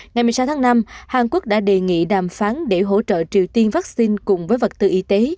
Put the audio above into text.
ngày một mươi sáu tháng năm hàn quốc đã đề nghị đàm phán để hỗ trợ triều tiên vaccine cùng với vật tư y tế